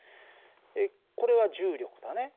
これは重力だね。